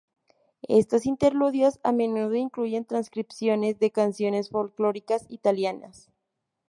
Estos interludios a menudo incluyen transcripciones de canciones folclóricas italianas.